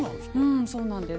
うんそうなんです。